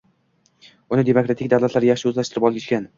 Uni demokratik davlatlar yaxshi o‘zlashtirib olishgan